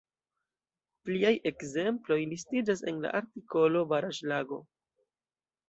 Pliaj ekzemploj listiĝas en la artikolo baraĵlago.